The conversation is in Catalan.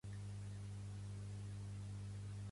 Pertany al moviment independentista l'Aristòtil?